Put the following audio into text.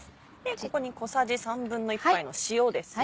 ここに小さじ１／３杯の塩ですね。